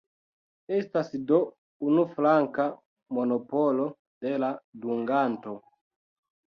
Estas do unuflanka monopolo de la dunganto.